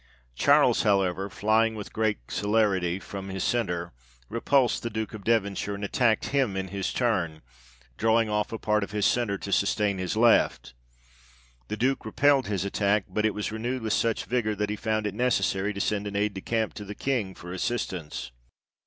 Charles, however, flying with great celerity from his centre, repulsed the Duke of Devonshire, and attacked him in his turn, drawing off a part of his centre to sustain his left ; the Duke repelled his attack, but it was renewed with such vigour, that he found it necessary to send an Aid de Camp to the King for assistance.